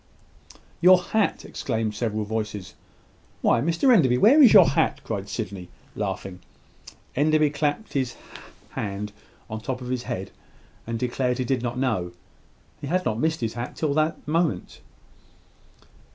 "Your hat!" exclaimed several voices. "Why, Mr Enderby, where is your hat?" cried Sydney, laughing. Enderby clapped his hand on the top of his head, and declared he did not know. He had not missed his hat till this moment.